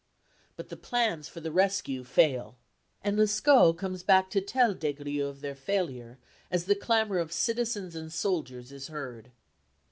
But the plans for the rescue fail, and Lescaut comes back to tell Des Grieux of their failure as the clamour of citizens and soldiers is heard.